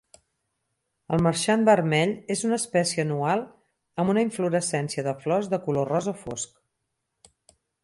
El marxant vermell és una espècie anual amb una inflorescència de flors de color rosa fosc.